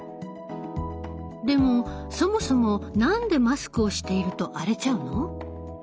でもそもそも何でマスクをしていると荒れちゃうの？